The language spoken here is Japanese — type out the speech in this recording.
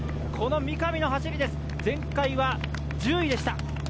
この三上の走りです、前回は１０位でした。